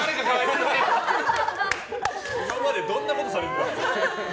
今までどんなことされてたんですか。